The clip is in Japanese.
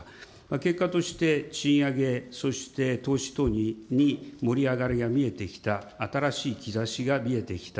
結果として賃上げ、そして、投資等に盛り上がりが見えてきた、新しい兆しが見えてきた。